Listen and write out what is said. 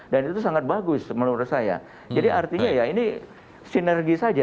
dan itu sangat bagus menurut saya jadi artinya ini sinergi saja